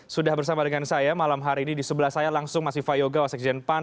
sudah bersama dengan saya malam hari ini di sebelah saya langsung mas viva yoga wasekjen pan